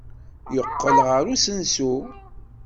Yeqqel ɣer usensu.